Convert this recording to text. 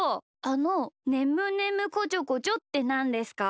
あの「ねむねむこちょこちょ」ってなんですか？